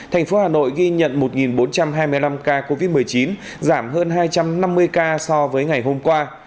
thành phố hà nội ghi nhận một bốn trăm hai mươi năm ca covid một mươi chín giảm hơn hai trăm năm mươi ca